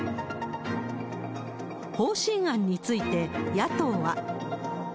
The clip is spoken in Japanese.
方針案について、野党は。